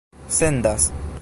sendas